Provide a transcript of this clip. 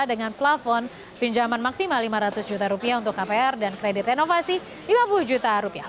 dengan plafon pinjaman maksimal lima ratus juta rupiah untuk kpr dan kredit renovasi lima puluh juta rupiah